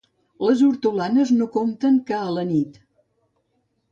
Les hortolanes no compten que a la nit.